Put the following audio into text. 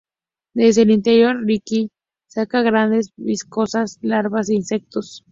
Desde el interior, Ricky saca un grandes, viscosas larvas de insectos.